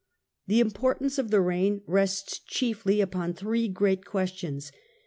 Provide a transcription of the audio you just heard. The importance of the reign rests chiefly upon three great questions.